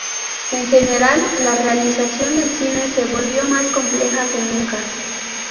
En general, la realización del cine se volvió más compleja que nunca.